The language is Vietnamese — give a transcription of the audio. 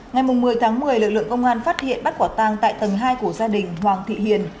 ngày một mươi tháng một mươi lực lượng công an phát hiện bắt quả tang tại tầng hai của gia đình hoàng thị hiền